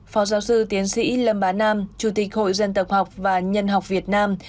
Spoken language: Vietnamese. phó giáo sư tiến sĩ lâm bá nam chủ tịch hội dân tập học và nhân học việt nam